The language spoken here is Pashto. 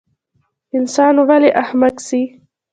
انسان ولۍ احمق سي؟